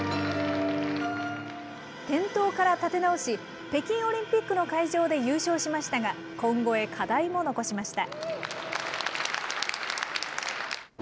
転倒から立て直し、北京オリンピックの会場で優勝しましたが、今後へ課題も残しました。